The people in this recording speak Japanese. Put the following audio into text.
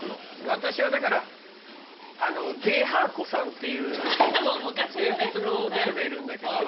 私はだからげーはーこさんっていう伝説のギャルがいるんだけど。